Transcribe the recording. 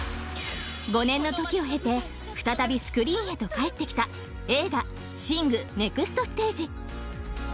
［５年の時を経て再びスクリーンへと帰ってきた映画『ＳＩＮＧ／シング：ネクストステージ』］